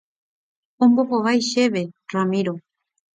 Ombohovái chéve Ramiro.